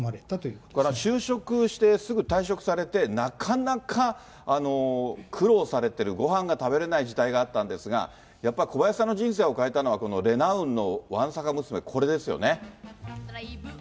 それから就職してすぐ退職されて、なかなか苦労されてる、ごはんが食べれない時代があったんですが、やっぱ小林さんの人生を変えたのはこのレナウンのワンサカ娘、これですよね。